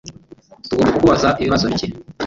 Tugomba kukubaza ibibazo bike, .